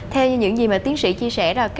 theo những gì mà tiến sĩ chia sẻ